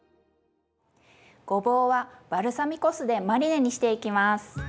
ごぼうはバルサミコ酢でマリネにしていきます。